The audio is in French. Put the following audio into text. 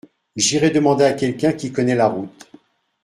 J’irai demander à quelqu’un qui connait la route.